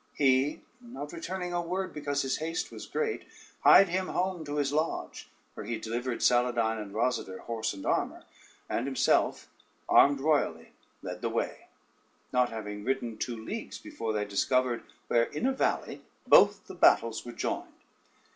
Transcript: He, not returning a word because his haste was great, hied him home to his lodge, where he delivered Saladyne and Rosader horse and armor, and himself armed royally led the way; not having ridden two leagues before they discovered where in a valley both the battles were joined.